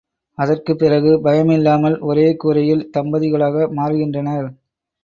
அதற்குப் பிறகு பயமில்லாமல் ஒரே கூரையில் தம்பதிகளாக மாறுகின்றனர்.